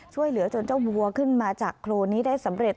ช่วยเหลือจนเจ้าวัวขึ้นมาจากโครนนี้ได้สำเร็จ